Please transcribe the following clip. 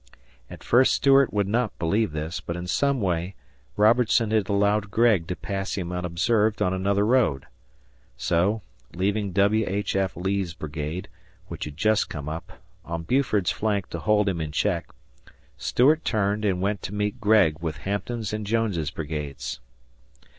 At first Stuart would not believe this, but in some way Robertson had allowed Gregg to pass him unobserved on another road. So, leaving W. H. F. Lee's brigade, which had just come up, on Buford's flank to hold him in check, Stuart turned and went to meet Gregg with Hampton's and Jones's brigades.